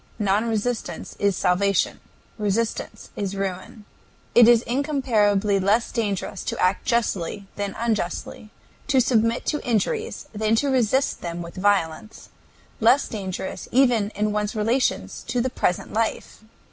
Non resistance is Salvation; Resistance is Ruin. It is incomparably less dangerous to act justly than unjustly, to submit to injuries than to resist them with violence, less dangerous even in one's relations to the present life.